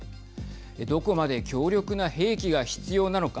どこまで強力な兵器が必要なのか